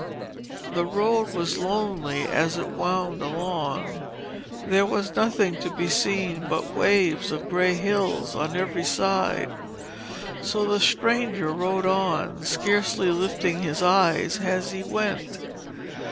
The road was lonely as it wound along. There was nothing to be seen but waves of grey hills on every side, so the stranger rode on, scarcely lifting his eyes as he went.